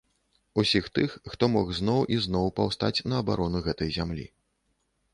Усіх тых, хто мог зноў і зноў паўстаць на абарону гэтай зямлі.